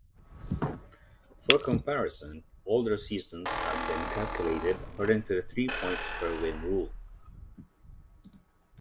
For comparison, older seasons have been calculated according to the three-points-per-win rule.